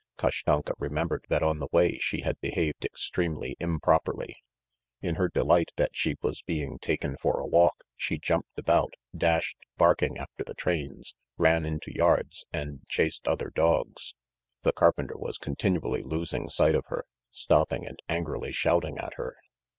Kashtanka remembered that on the way she had behaved extremely improperly. In her delight that she was being taken for a walk she jumped about, dashed barking after the trains, ran into yards, and chased other dogs. The carpenter was continually losing sight of her, stopping, and angrily shouting at her.